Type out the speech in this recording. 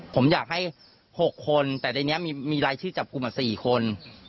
ผมอยากให้๖คนแต่ในนี้มีรายชื่อจับกลุ่ม๔คน